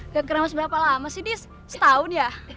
gak kena seberapa lama sih dis setahun ya